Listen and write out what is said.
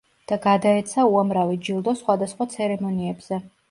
და გადაეცა უამრავი ჯილდო სხვადასხვა ცერემონიებზე.